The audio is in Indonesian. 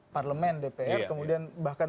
parlemen dpr kemudian bahkan